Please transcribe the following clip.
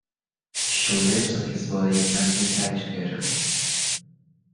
She leaps on his body and they die together.